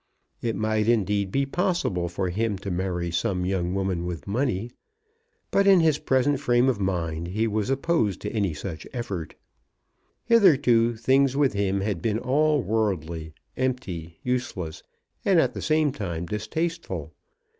It might indeed be possible for him to marry some young woman with money; but in his present frame of mind he was opposed to any such effort. Hitherto things with him had been all worldly, empty, useless, and at the same time distasteful.